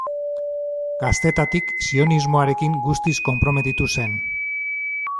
Gaztetatik sionismoarekin guztiz konprometitu zen.